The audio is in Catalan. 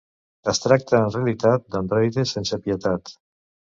Es tracta en realitat d'androides sense pietat.